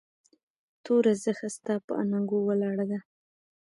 توره زخه ستا پهٔ اننګو ولاړه ده